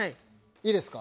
いいですか？